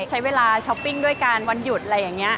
ใช้เวลาช้อปปิ้งด้วยกันวันหยุดอะไรอย่างนี้